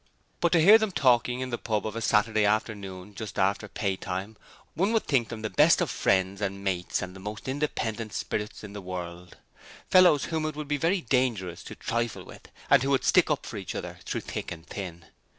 But to hear them talking in the pub of a Saturday afternoon just after pay time one would think them the best friends and mates and the most independent spirits in the world, fellows whom it would be very dangerous to trifle with, and who would stick up for each other through thick and thin.